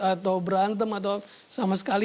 atau berantem atau sama sekali